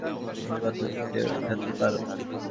তুমি কত উচুতে উঠাতে পারো?